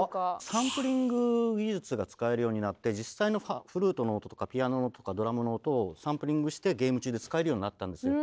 サンプリング技術が使えるようになって実際のフルートの音とかピアノの音とかドラムの音をサンプリングしてゲーム中で使えるようになったんですよ。